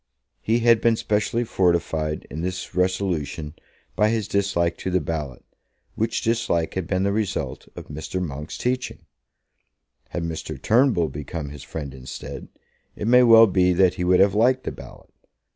He had been specially fortified in this resolution by his dislike to the ballot, which dislike had been the result of Mr. Monk's teaching. Had Mr. Turnbull become his friend instead, it may well be that he would have liked the ballot.